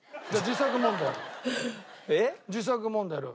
じゃあ自作問題。